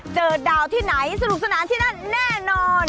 เจอดาวที่ไหนสนุกสนานที่นั่นแน่นอน